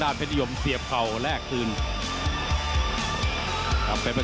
โอโหหมดยกที่๓